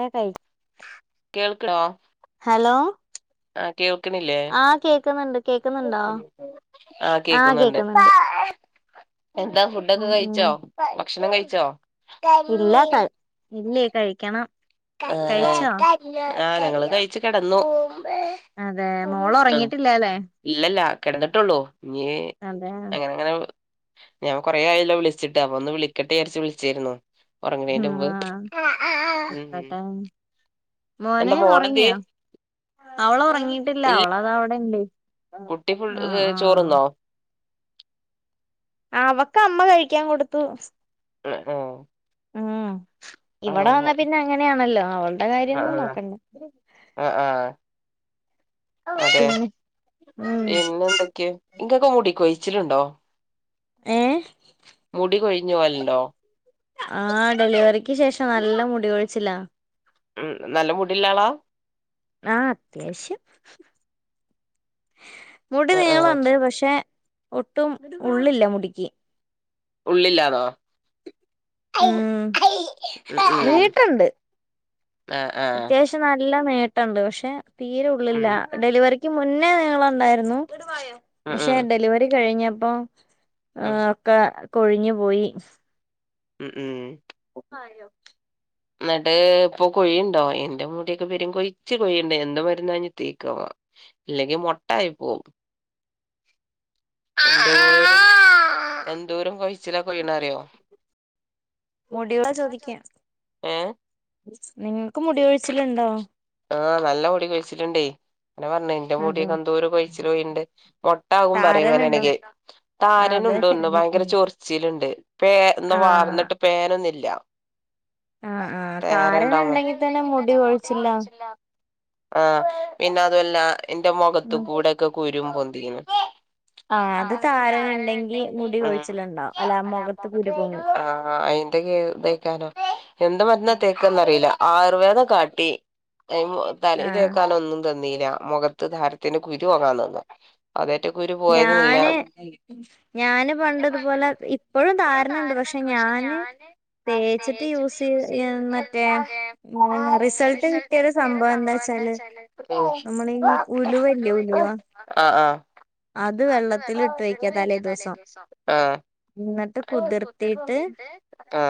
ഏ [unintelligible] ക്ലോ ഹലോ ആ കേൾക്ക്ണില്ലേ ക്ക്ന്ണ്ട് ആ കേക്കുന്നുണ്ട് എന്താ ഫുഡൊക്കെ ഉം ഉം കഴിച്ചോ ഭക്ഷണം കഴിച്ചോ ഇല്ല ക ഇല്ല കഴിക്കണം കഴിച്ചോ ഏഹ് ആ ഞങ്ങള് കഴിച്ചു കെടന്നു അതെ മോള് ഉറങ്ങിട്ടില്ലാലെ കെടന്നിട്ടുള്ളൂ അതെ ഞാൻ കൊറെ ആയല്ലോ വിളിച്ചിട്ട് അപ്പൊ ഒന്ന് വിളിക്കട്ടെ വിയാരിച്ച് വിളിച്ചേരുന്നു ഉറങ്ങണേന്റെ മുമ്പ് മോനേ എന്താ മോളെന്തിയെ ഒറങ്ങിയോ അവളൊറങ്ങിയിട്ടില്ല ഇല്ല അവളതാ അവിടെണ്ട് കുട്ടി ഫുൾ ആ ഹ് ആ ചോറുന്നോ? അവക്ക് അമ്മ കഴിക്കാൻ കൊടുത്തു അ ആ ആ ആ ഇവടെ വന്നാ പിന്നെ അങ്ങനെയാണല്ലോ അവൾടെ കാര്യോന്നും ആ നോക്കണ്ട ആ അതെ പിന്നെ ഉം പിന്നെ എന്തൊക്കെയ ഇങ്ങൊക്കെ മുടി ക്കോയി ച്ചി ലു ണ്ടോ ഏ പോവലുണ്ടോ ആ ഡെലിവറിക്ക് ശേഷം നല്ല മുടി കോഴിച്ചില ഉം നല്ല മുടില്ലാളാ ആ അത്യാശ്യം മുടി ആഹ് ആഹ് നീളണ്ട് പക്ഷെ ഒട്ടും ഉള്ളില്ല മുടിക്ക് ഉള്ളില്ലാന്നോ ഉം ഉം നി ഉം ട്ട ണ്ട് ആഹ് ആഹ് അത്യാവശ്യം നല്ല നി ട്ട ണ്ട് പക്ഷെ തീരെ ഉള്ളില്ല ഡെലിവറി ക്ക് മുന്നേ നിങ്ങളുണ്ടായിരുന്നു ഉം പക്ഷെ ഉം ഡെലിവറി കഴിഞ്ഞ ആ ആ ഉം ഒക്ക കൊഴിഞ്ഞു പോയി ഉം ഉം ഉഹായോ എന്നിട്ട് ഇപ്പൊ കൊഴിയുണ്ടോ എൻന്റെ മുൂടിയൊക്കെ പെരും കൊഴിച്ചു കൊഴിയുന്നുണ്ട് എന്ത മരുന്ന്ഇഞ് തെ ക്ക ഇല്ലെങ്കി മുട്ടായി പോവും എന്തൂരം കൊഴിച്ചില്ല കൊഴീണ അറിയോ മുടളാ ചോദിക്ക ങേ നിങ്ങ നിക്ക് മുടി ഒഴിച്ചിലുണ്ടോ ആ നല്ല മുടി കഴിച്ചിലുണ്ടേ അങ്ങനെ പറഞ്ഞു ഇന്റെ അതോ മൂടിയൊക്കന്തൂര് കൊഴിച്ചിൽ പോയിണ്ട് മൊട്ട ആകും പറയും താരനുണ്ടോ ഇങ്ങനെണക്ക് അതെ താരൻുണ്ട് ഒന്ന് ഭയങ്കര ചൊറച്ചിലിണ്ട് പേ ഒന്ന് വാർന്നിട്ട് പേനൊന്ന ഇല്ല ആ ആ താരൻ ഇണ്ടെങ്കിൽ തന്നെ ഉണ്ടെങ്കിൽ മുടി തന്നെ കൊഴിച്ചിലാ മുടികൊഴിച്ചിലാണ് ആ പിന്നെതല്ല എന്റെ മുഖത്ത് ഉം കൂടെക്കെ കുരു രുംപൊന്തിങ്ങനെ ആഹ് ആ അത് തരാൻ താരനുണ്ടെങ്കി ഇണ്ടെങ്കിൽ മുടി കൊഴിച്ചിലുണ്ടാവും അല്ല മുഖത്ത് മുഖത്തു കുരു പൊങ്ങും [unintelligible] അയിന്റെ കാരോ എന്ത്‌ മരുന്നാ തേക്കാന്നറിയില്ല ആ യുർ വേദം കാട്ടി അയ്മെ തലി ആഹ് തേക്കാൻ ഒന്നും ത നീല മുഖത്ത് ധാരത്തിന് കുരു പോകാൻ തന്നു അതേറ്റ കുരു പോയതുല്ല ഞാന് ഞാന് പണ്ട് ഇതുപോലെ ഇപ്പഴും താരന്ണ്ട് പക്ഷെ ഞാന് തേച്ചിട്ട് യൂസ് ചെയ്യ മറ്റേ റിസൾട്ട് കിട്ടിയ സംഭവം എന്താച്ചാല് നമ്മളീ ഉലുവല്ലേ ഉലുവ ആഹ് ആഹ് അത് വെള്ളത്തിലിട്ട് വെക്ക തലേ ദിവസം ആ എന്നിട്ട് കുതിർത്തിയിട്ട് കുതിർത്തീട്ട് ആ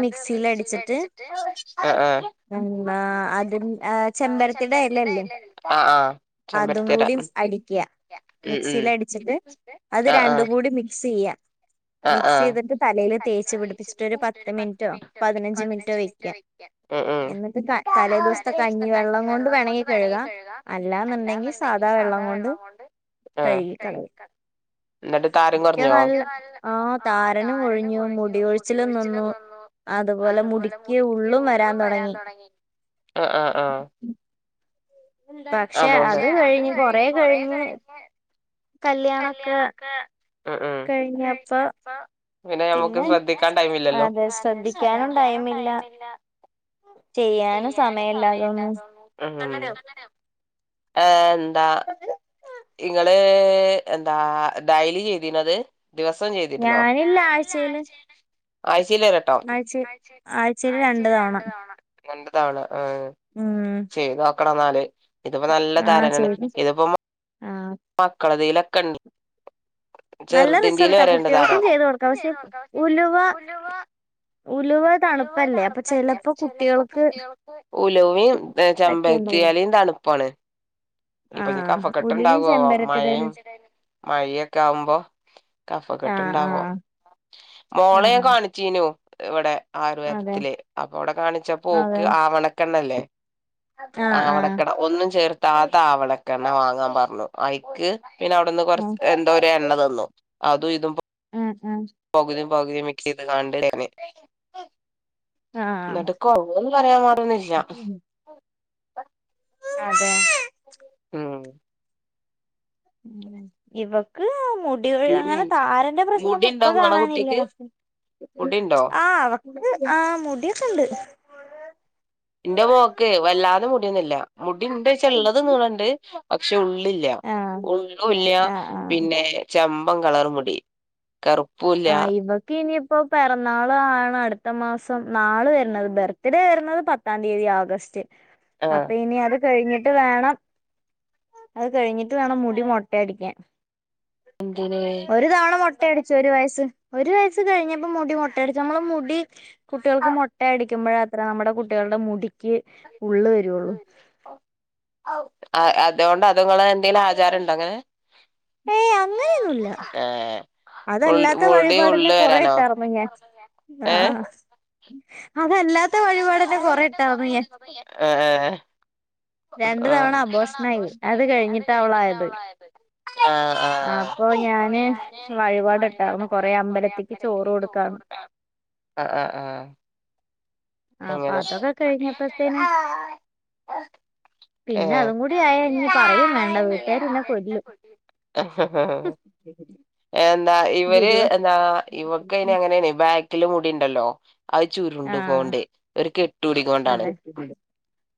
അത് മിക്സീലടിച്ചിട്ട് അ ആഹ് ഉം ആ അത് ആഹ് ചെമ്പരത്തിയുടെ എലല്ലേ ആഹ് ആഹ് അതും ചെമ്പരത്തിയെല കൂടിം അടിക്ക്യ ഉം ഉം മിക്സീലടിച്ചിട്ട് അത് ആഹ് രണ്ടും കൂടി മിക്സ് ചെയ്യ മിക്സ് ചെയ്തിട്ട് തലയില് തേച്ചു പിടിപ്പിച്ചു പത്ത് മിനിറ്റോ പതിനഞ്ച് മിനിറ്റോ വെക്കുക വെക്ക തലേന്നത്തെ കഞ്ഞി വെള്ളം കൊണ്ട് വേണെങ്കി കഴുകാ അല്ലന്നുണ്ടെങ്കിൽ സാധാ വെള്ളം കൊണ്ട് കഴുകിക്കളയും കഴുക ഇന്നട്ട് താരൻ എനിക്ക് കൊർഞ്ഞോ? നല്ല താരനും ഒഴിഞ്ഞുപോവും മുടി കൊഴിച്ച ടികൊഴിച്ചിലും നിന്നു അതുപോലെ മുടിക്ക് ഉള്ളും വരാൻ തുടങ്ങി ആഹ് ആഹ് പക്ഷെ അത് കഴിഞ്ഞ് കൊറേ കഴിഞ്ഞ് കല്യാണൊക്കെ കഴിഞ്ഞപ്പം അ പിന്നെ ഞമ്മുക്ക് ശ്രദ്ധിക്കാൻ ടൈമില്ലല്ലോ അതെ ശ്രദ്ധിക്കാനും ടൈമില്ല ചെയ്യാനും സമയം ഇല്ലാതോന്നും ആം ആം ടാ ഇങ്ങൾ ട ത് എന്താ ഡയ്ലി ചെയ്തീനോത്? ഞാനില്ല ആഴ്ചയില് അയ് ച്ചീലൊരട്ടം ആഴ്ച ആഴ്ചയില് ആഴ്ച്ചീല് രണ്ട്‌ തവണ രണ്ട് തവണ ഊം കടന്നാല് ഇതിപ്പം നല്ല താരനാണ് ഇതിപ്പം ആഹ് മക്കളതീലൊക്കണ്ണി നല്ല റിസൾട്ടാ കുട്ടികൾക്കും ചെയ്ത് കൊടുക്കാം പക്ഷെ ഉലുവ ഉലുവ ഉല്വ തണുപ്പല്ലേ അപ്പൊ തണുപ്പല്ലെ ചിലപ്പോ ചെലപ്പം കുട്ടികൾക്ക് കുട്ട്യാൾക്ക് ഉലുവിം പറ്റിയുണ്ടാവില്ല ചെമ്പരത്തിയെലിം തണു ഒപ്പാണ് ഇപ്പഞ്ഞി ആഹ് കഫക്കെട്ട് ഉലുവയും ഇണ്ടാവാവോ മഴയും ചെമ്പരത്തിടയിലും മഴയൊക്കെ ആകുമ്പം കഫക്കെട്ട് ആഹ് ഇണ്ടാവോ ആഹ് മോളെ ഞാൻ ആഹ് കാണിച്ചീനു ഇവടെ അതെ ആയുർവേദ്ത്തിലെ അപ്പൊ അവിടെ കാണിച്ച പോക്ക് അതെ ആവണക്കെണ്ണല്ലേ? ആഹ് ആഹ് ആവണക്കട ഒന്നും ചേർ താത ആവളക്കെണ്ണ വാങ്ങാൻ പർഞ്ഞു ഐക്ക് പിന്നെ അവിടുന്ന് കൊർ ആഹ് എന്തോ രേണ്ണ ത്ത ന്നു. അതും ഇതും ഉം പോകതിം പകുതി മിക്സെയ്ത്കാണ്ട് [unintelligible] ആഹ് ന്നട്ട് കൊർവ്ന്ന് പറയാൻ മാറ്ന്നില്ല ആഹ് പ അതെ അഹ് ഉം ഇവക്ക് ആർ പിന്നെ മുടികൾങ്ങനെ താരന്റെ പ്രശ്നന്നും മുടിണ്ടോ ഇപ്പ ഇങ്ങളെ കാണാനില്ല. കുട്ടിക്ക് മുടിണ്ടോ ആഹ് ആഹ് മുടിയൊക്കെണ്ട് എന്റെ മോക്ക് വല്ലാതെ മുടിയൊന്നില്ല മുടിണ്ടോയ്ചാ ള്ളത് നീളണ്ട് പക്ഷെ ഉ ല്ലാ ആഹ് ഉള്ളൂല്ല ആഹ് ആഹ് പിന്നെ ചെമ് മ്പൻ കളറ് മുടി കറുപ്പൂല്ല ആഹ് ഇബക്കിനി പ്പോ പിറന്നാളാണ് അടുത്ത മാസം നാള് വരുന്നത് ബർത്ത്ഡേ വരുന്നത് പത്താം തീയതി ആഗസ്റ്റ് ആഹ് അപ്പൊ ഇനി അത് അത് കഴിഞ്ഞിട്ട് വേണം അത് കഴിഞ്ഞിട്ട് വേണം മുടി മൊട്ടയടിക്കാൻ എന്തിന് ഒരു തവണ മൊട്ട ട്ടടച്ച് ഒരു വയസ് സ് ഒരു വയസ് കഴിഞ്ഞപ്പോ മുടി മൊട്ടയടിച്ച് നമ്മൾ മുടി കുട്ടികൾക്ക് മൊട്ടയടി ടിക്കുമ്പയാത്രാ നമ്മുടെ കുട്ടികളുടെ മുടിക്ക് ഉള്ള് വരുള്ളൂ ആ അതുകൊണ്ട് അതുങ്ങളെ എന്തെങ്കിലും ആ ചാരം ഉണ്ടോ അങ്ങനെ ഏയ് അങ്ങനെയൊന്നുല്ല ഏഹ് മുൾ അതല്ലാത്ത മുടി വഴിപാടന്നെ ഉള്ള് കൊറെ വരാനോ ഇട്ടാർന്നു ഞാൻ ആ [inaudible] ഞാൻ ഏ ഹ് രണ്ട് തവണ അബോഷൻ ആയി അത് കഴിഞ്ഞിട്ട അവളായത് അപ്പൊ ഞാന് വഴിപാടിട്ടാർന്നു വഴിപാട്ട്ടാർന്നു കൊറെ അമ്പലത്തിക്ക് അമ്പലത്തിലേക്ക് ചോറ് കൊടുക്കാന്ന് കൊടുക്ക അപ്പൊ അങ്ങനെ അതൊക്കെ കഴിഞ്ഞപ്പത്തേനും അ പിന്നെ അതും കൂടി ആയാ ഇനി പറയും വേണ്ട വീട്ടുകാര് ഇന്നെ കൊല്ലും എന്താ ഇവര് ഗുരുവാ എന്താ ഇവൾക്ക് അങ്ങനെയാണ് മുടി ഇണ്ടല്ലോ അത് ചുരുണ്ട് ആഹ് കൊണ്ടേ ഒരു കെട്ടൂടികോണ്ടാണ് അതെ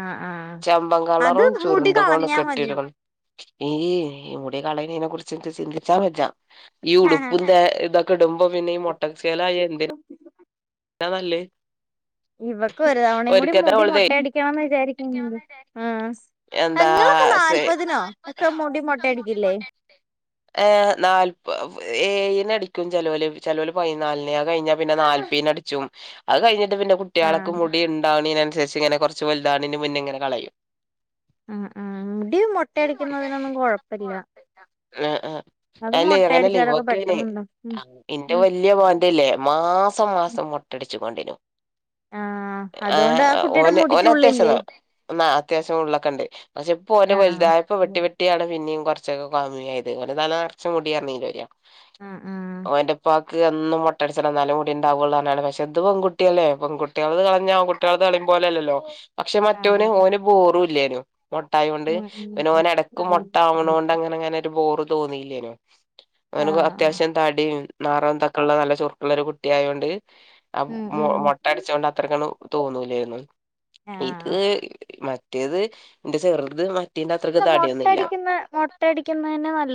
ആഹ് ആഹ് ചമ്പം അത് കളറും മുടി ചുരുണ്ട കൊണ്ട് കളഞ്ഞാ മതി കെട്ടിട ഈ ഇവിടെ കളയണേനെ കുറിച്ച് ചിന്തിച്ചാൽ ഈ ഉടുപ്പിന്ത ഇതൊക്കെ ഇടുമ്പോ പിന്നെ ഈ മൊട്ടച്ചിയേൾ ആയ എന്തിന - ഇതാ നല്ലേ ഇവക്ക് ഒരു തവണയും കൂടി ഒരിക്കത്തെ മുടി ഓളതെ മുട്ടയടിക്കണംന്ന് വിചാരിക്കണിണ്ട് എന്താ ഇങ്ങളൊക്കെ സെ നാല്പതിനോ ഒക്കെ മുടി മൊട്ടയടിക്കില്ലേ ഏ നാല്പ ഏഴിന് അടിക്കും ചേലോല് പയ്നാലിന് അത് കയിഞ്ഞ നാൽപ്പതിന് ജും അത് കഴിഞ്ഞിട്ട് പിന്നെ കുട്ടികൾക്ക് ആഹ് മുടി ഉണ്ടാവണനേനുസരിച്ച് ഇങ്ങനെ കൊറച്ച് വലുതാവണേന് മുന്നെ ഇങ്ങനെ കളയും ആഹ് ആഹ് മുടി മൊട്ടയടിക്കുന്നതിനൊന്നും കൊഴപ്പില്ല ആ ആ അത് അല്ലേ അങ്ങനെയല്ലേ മൊട്ടയടിച്ചാലൊക്കെ ഇവക്ക് അതിൻ പെട്ടെന്നുണ്ടാവും ഉം ഇന്റെ ഉം വല്ല്യ മോന്റെല്ലേ മാസം മാസം മൊട്ട അടിച്ച് കൊണ്ടിനു ആഹ് ആ അതുകൊണ്ട് കുട്ടിയുടെ ഓന് ഓന് അത്യാവശ്യം മുടിക്കുള്ളില്ലേ അത്യാവശ്യം ഉള്ളൊക്കെ ഉണ്ട് പക്ഷെ ഇപ്പ ഓന് ആഹ് വലുതായപ്പോ വെട്ടി വെട്ടിയാണ് പിന്നെയും കുറച്ച് കൊറച്ചൊക്കെ കമ്മിയായത് അല്ലെങ്കിൽ തല നറച്ച് മുടി ആയിർന്ന് ആഹ് ആഹ് ഓന്റെപ്പ ക്ക് അന്നും മൊട്ടടിച്ചണം ഇന്നാലെ മുടി ഉണ്ടാവുള്ളു പിന്നെത്തെ പെൺകുട്ടിയല്ലേ പെൺുട്ടികളത് കളഞ്ഞ ആൺകുട്ടികളത് കളയും പോലല്ലല്ലോ പക്ഷെ അതെ മറ്റോന് ഓന് ബോറുല്ലേനു മൊട്ടായ കൊണ്ട് ഉം പിന്നെ ഓൻ എടക്ക് ഉം മൊട്ടാവണോണ്ട് അങ്ങനെ അങ്ങനെ ഒരു ബോർ തോന്നിയില്ലേനു അവൻ ആഹ് അത്യാവശ്യം തടീം നറോം തക്കള്ള നല്ല ചുറുക്കുള്ള ഒരു കുട്ടി ആയോണ്ട് ആ ഉം ഉം മൊട്ട അടച്ചുകൊണ്ട് അത്രക്കൊന്നും തോന്നുലാരുന്നു ഇത് ആഹ് മ റ്റേത് എന്റെ ചെറ്ത് മ ഇ മൊട്ടടിക്കുന്ന മൊട്ടടിക്കുന്നന്നെ [unintelligible]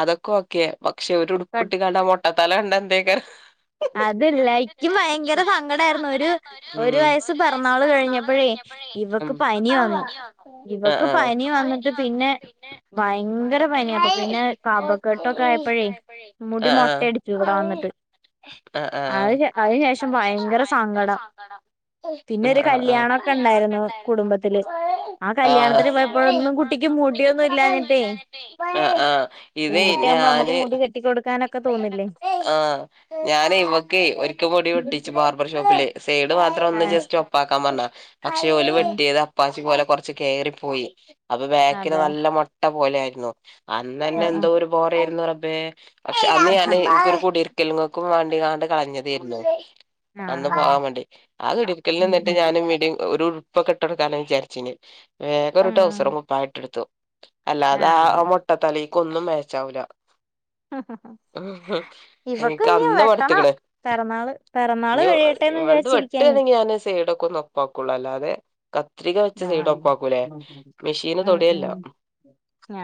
അതൊക്കെ ഓക്കേ പക്ഷെ ഒരു കട് ഉടുപ്പിട്ട് കണ്ട മുട്ടത്തല കണ്ട ന്തേക്ക അതല്ല എിക്കും ഭയങ്കര സങ്കടമായിരുന്നു ഒരു ഒരു ഉം വയസ് പിറന്നാൾ കഴിഞ്ഞപ്പോഴേ ഉം ഇവക്ക് പനി വന്നു ആഹ് ഇവക്ക് പനി വന്നിട്ട് പിന്നെ ഭയങ്കര പനി അപ്പൊ പിന്നെ കപക്കെട്ടൊക്കെ ആയപ്പോഴേ മുടി മൊട്ടയടിച്ചു ഇവിടെ വന്നിട്ട് അ അ അതിന് ശേ അതിന് ശേഷം ഭയങ്കര സങ്കടം പിന്നെ ഒരു കല്യാണൊക്കെ ഉണ്ടായിരുന്നു കല്യാണൊക്കെണ്ടായിരുന്നു കുടുംബത്തില് ആ അ അ കല്യാണത്തിന് കല്യാണത്തിന് പോയപ്പോഴൊന്നും പോയപ്പോഴൊന്നും കുട്ടിക്ക് മുടിയൊന്നും ഇല്ലാഞ്ഞിട്ടേ മുടിയൊന്നുല്ലാഞ്ഞിട്ടെ ആ ആ ഇത് പെൺകുട്ടിയാകുമ്പോ നമുക്ക് ഞാന് മുടി കെട്ടി കൊടുക്കാനൊക്കെ തോന്നില്ലേ ആ ഞാന് ഇവക്കെ ഒരിക്കെ മുടി വെട്ടിച്ചു ബാർബർ ഷോപ്പില് സേടെ മാ ഒന്ന് ആഹ് ജസ്റ്റ്‌ ഒപ്പാക്കാൻ പറ [unintelligible] പക്ഷെഓല് ഉം വെട്ടിയത് അപ്പാസി പോലെ കൊറച്ച് കേറി പോയി അപ്പ ബാ ക്കിൽ അതെ നല്ല മൊ പോലെ ആയിരുന്നു അന്ന് തന്നെ എന്തോ ആഹ് ഒരു ബോറയിരുന്നു റ പേ പക്ഷെ അന്ന്ഞാൻ ക്ക്‌ ഒരു കൂടീര്കൽങ്‌ ക്കും വാണ്ടിങ്ങാണ്ട് കളഞ്ഞതരുന്നു ആഹ് അന്ന് ആഹ് പോവാൻ വേണ്ടി ആ കുടിട്ക്കൽന്ന്നിട്ട് ഉം ഞാന് [unintelligible] ഒരുർ ഇപ്പം കെട്ടൊട്ക്കാന വിചാരിച്ചിനെ വേഗം ഒരു ട്രൗസറും കുപ്പായ ടുത്തു അല്ലാതെ ആ ആഹ് മൊട്ടത്തലി ക്കൊന്നും മേച്ചാവൂല ആഹാ ഇവക്ക് എനിക്ക് ഇനി അന്ന് വെട്ടണം മടുത്തുക്ക്ണ് പിറന്നാള് പിറന്നാള് ഇനി കഴിയട്ടെന്ന് ഇവളത് വിചാരിച്ചിരിക്കാ വെട്ടണെങ്കി ഞാന് സൈഡൊക്കെന്ന് ഒപ്പാക്കുള്ളൂ അല്ലാതെ കത്രിക വെച്ച് സൈഡ ഞാൻ ഒപ്പാക്കൂലേ മെഷീന് ആഹ് ഉം ഉം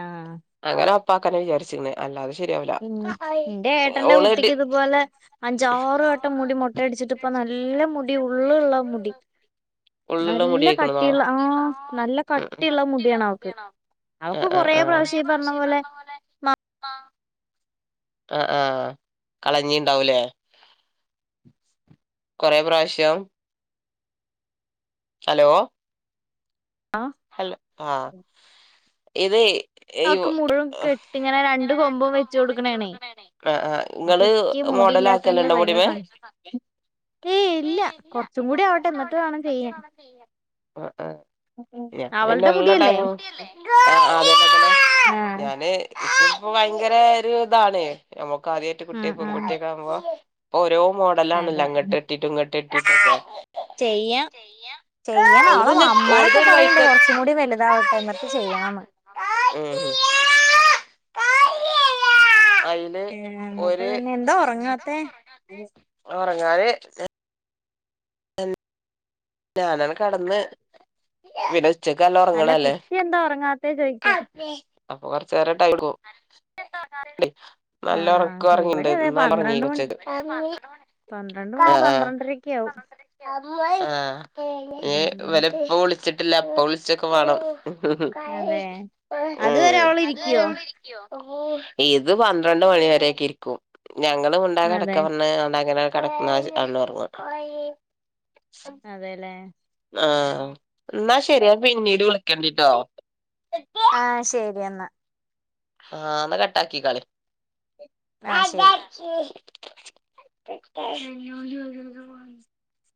ആഹ് അങ്ങനെ ഒപ്പാക്കാന വിചാരിച്ചിക്ക്ണെ അല്ലാതെ ശരിയാവൂല ഉം ന്റെ ഏട്ടന്റെ ഓള് ഡി കുട്ടിക്ക് ഇതുപോലെ അഞ്ചാറ് വട്ടം മുടി മൊട്ടയടിച്ചിട്ട് ഇപ്പ നല്ല മുടി ഉള്ളള്ള മുടി ഉള്ളിള്ള നല്ല മുടിയായിക്കണതോ കട്ടിയുള്ള ആഹ നല്ല കട്ടിയുള്ള മുടിയാണ് അവക്ക് ഹുദേണോ ആഹ് ആഹ് ആഹ് [unintelligible] കൊറേ പ്രാവശ്യായി പറഞ്ഞ പോലെ ആ ആ കളഞ്ഞീണ്ടാവൂലേ കൊറേ പ്രാവശ്യം ഹലോ ആഹ് ഹലോ ആ ഇത് ഈ ആക്ക് മുഴുവൻ കെട്ടി ഇങ്ങനെ രണ്ട് വെച്ച് കൊമ്പും വച്ച് കൊടുക്കണേണേ കൊടുക്കലാണ് ആ ആ ഇങ്ങള് അപ്പക്ക് മുടിയില്ലാത്തന്റെ മോഡലാക്കല്ണ്ട ഭയങ്കര മുടിമേ സങ്കടം ഏയ് ഏ ഇല്ല കൊറച്ചും കൂടി കുറച്ചുട് എന്നിട്ട് ആവട്ടെ വേണം ചെയ്യാൻ ആ ആ ഞക്ക് അവളുടെ പിന്നെള്ള മുടിയല്ലേ ടൈം അതെ ഞാന് അപ്പൊ ഭയങ്കര ഒരു ഇതാണ് നമുക്ക് ആദ്യ ആയിട്ട് കുട്ടിയെ ഉം ഉം പെൺകുട്ടിയൊക്കാകുമ്പോ ഓരോ മോടലാണല്ലോ അതെ അങ്ങട്ടെട്ടിട്ട് ഇങ്ങട്ട് ട്ടെട്ടിട്ടൊക്കെ ചെയ്യാം ചെയ്യണോള ഓളത് ഓളത് മാമമാരൊക്കെ ഒരു പറയ ണ്ട് വൈക്ക് കൊറച്ചും കൂടി വലുതാവട്ടെ എന്നിട്ട് ചെയ്യാണെന്ന് ഉം അയില് ഏ എന്നട്ട് ഒരു പിന്നെ എന്താ ഉറങ്ങാത്തെ ഉറങ്ങാന് ഞാനാണ് കടന്ന് അല്ല കുട്ടി എന്താ ഉറങ്ങാത്തെ ചോദിക്കാ അപ്പൊ കൊറച്ച് നേരം ടൈമ് എടുക്കും നല്ല ഒറക്കൊ ആഹ് ഒറങ്ങിണ്ട് ഇവിടെ അതെ ന്നാല പന്ത്രണ്ട് ഒറങ്ങീണ് മണി ഉച്ചക്ക് പന്ത്രണ്ട് ആ ആ മണി ആ പന്ത്രണ്ടരൊക്കെ ആവും ഏഹ് ഉം ഇവലെ ഇപ്പോ വിളിച്ച വിട്ടില്ലപ്പോവിളിച്ചൊക്കെ വേണം ഉം അതെ ഉം അതുവരെ അവള് അതുവരെ ഇരിക്കുവോ അവൾ ഇരുകുവോ ഇത് പന്ത്രണ്ട് മണിവരേക്ക ഇരിക്കും ഞങ്ങളും ഉണ്ടാക അതെ കടക്ക പറണ്ടാങ്ങന [unintelligible] കിടക്കുന്ന നല്ലോർങ്ങട്ട അതേല്ലെ ആ എന്നാ ശരിയാ പിന്നീട് വിളിക്കണ്ടിട്ടോ ആ ശരി എന്നാ ആ എന്ന കട്ടാക്കി ക്കാളി ആഹ് ശരി [inaudible]